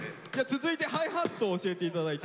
続いてハイハットを教えて頂いて。